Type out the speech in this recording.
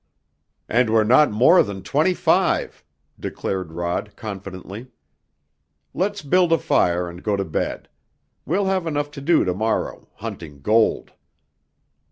"And we're not more than twenty five!" declared Rod confidently. "Let's build a fire and go to bed. We'll have enough to do to morrow hunting gold!"